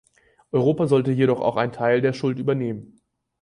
Europa sollte jedoch auch einen Teil der Schuld übernehmen.